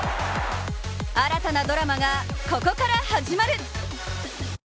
新たなドラマがここから始まる。